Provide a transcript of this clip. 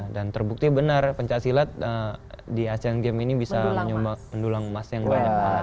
dan terbukti benar puncak silat di asean games ini bisa menyumbang pendulang emas yang banyak banget